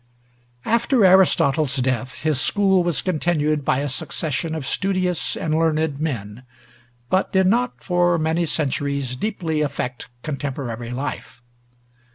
After Aristotle's death, his school was continued by a succession of studious and learned men, but did not for many centuries deeply affect contemporary life.